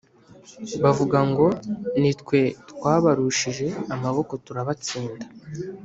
bavuga ngo ’ni twe twabarushije amaboko turabatsinda.